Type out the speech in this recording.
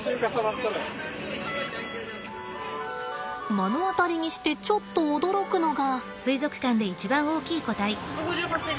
目の当たりにしてちょっと驚くのが。